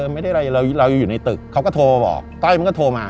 ไม่ได้อะไรเรายังอยู่ในตึกเขาก็โทรบอกต้อยมันก็โทรมา